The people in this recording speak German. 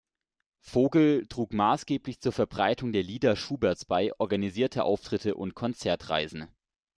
Vogl trug maßgeblich zur Verbreitung der Lieder Schuberts bei, organisierte Auftritte und Konzertreisen.